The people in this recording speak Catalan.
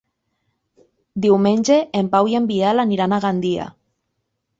Diumenge en Pau i en Biel aniran a Gandia.